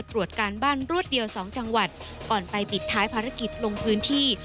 ตรวจการบ้านรวดเดียว๒จังหวัดก่อนไปปิดท้ายภารกิจลงพื้นที่